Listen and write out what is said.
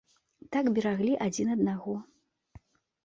Так бераглі адзін аднаго.